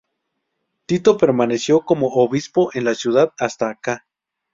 Tito permaneció como obispo en la ciudad hasta ca.